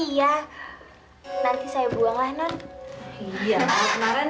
nanti saya buang lah non